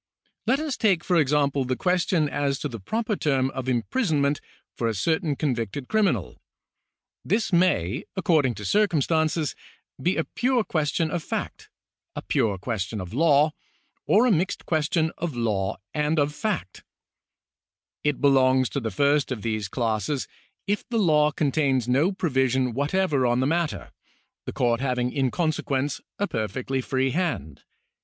Let us take, for example, the question as to the proper term of imprisonment for a certain convicted criminal. This may, according to circumstances, be a pure question of fact, a pure question of law, or a mixed question of law and § 8] CIVIL LAW 17 of fact. It belongs to the first of these classes, if the law con tains no provision whatever on the matter, the court having in consequence a perfectly free hand.